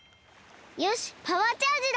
よしパワーチャージだ！